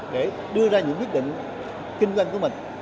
để đưa ra những quyết định kinh doanh của mình